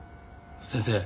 先生